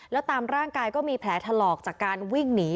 แล้วตามร่างกายก็มีแผลถลอกจากการวิ่งหนี